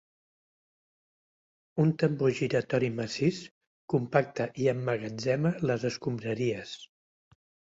Un tambor giratori massís compacta i emmagatzema les escombraries.